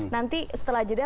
nanti setelah jeda